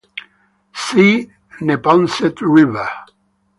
See Neponset River.